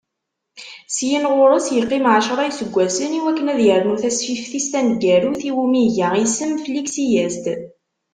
Syin ɣur-s, yeqqim ɛecra n yiseggasen, i wakken ad yernu tasfift-is taneggarut, iwumi iga isem Fliksi-as-d.